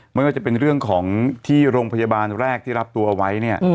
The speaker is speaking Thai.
ไม่ว่าจะเป็นเรื่องของที่โรงพยาบาลแรกที่รับตัวไว้เนี่ย